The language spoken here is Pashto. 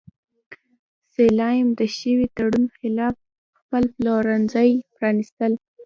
سلایم د شوي تړون خلاف خپل پلورنځي پرانیستل.